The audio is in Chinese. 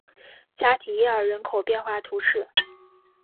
加提耶尔人口变化图示